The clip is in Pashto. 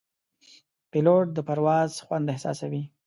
پیلوټ د پرواز خوند احساسوي.